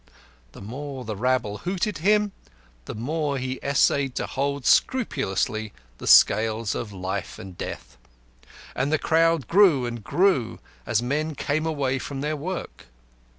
The more the rabble hooted him, the more he essayed to hold scrupulously the scales of life and death. And the crowd grew and grew, as men came away from their work.